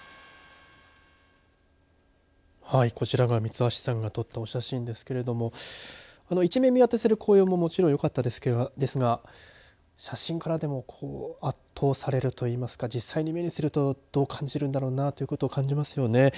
こちらが三橋さんが撮ったお写真ですが一面見渡せる紅葉ももちろんよかったですが写真からでもこの圧倒されるというますか実際に目にするとどう感じるんだろうなと感じますよね。